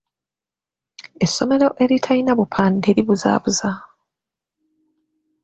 Essomero eritalina bupande libuzaabuza.